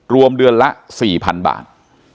รวมเดือนละ๔๐๐๐บาท